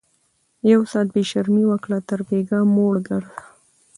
ـ يو ساعت بې شرمي وکړه تر بيګاه موړ ګرځه